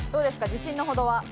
自信のほどは。